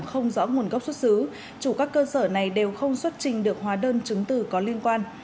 không rõ nguồn gốc xuất xứ chủ các cơ sở này đều không xuất trình được hóa đơn chứng từ có liên quan